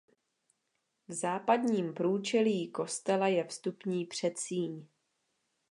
V západním průčelí kostela je vstupní předsíň.